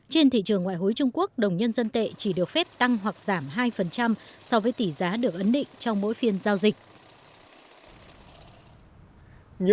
trên thị trường ngoại hối trung quốc đồng nhân dân tệ chỉ được phép tăng hoặc giảm hai so với tỷ giá được ấn định trong mỗi phiên giao dịch